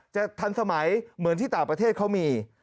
ทันสมัยเหมือนที่ต่างประเทศเขามี